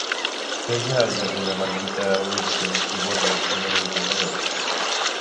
Què hi ha al jardí de Margarita Wirsing i Bordas número vuitanta-dos?